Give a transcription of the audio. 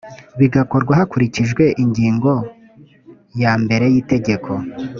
bigakorwa hakurikijwe ingingo ya mbere y itegeko